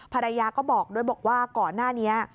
ภรรยาก็บอกด้วยบอกว่าก่อนหน้านี้